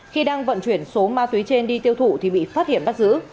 khi đang vận chuyển số ma túy trên đi tiêu thụ thì bị phát hiện bắt giữ